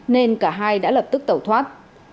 nên cả hai đã lập tức tẩu thoát